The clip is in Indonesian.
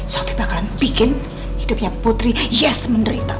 sofi bakal bikin hidupnya putri yes menderita